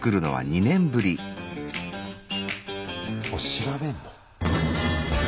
調べんの？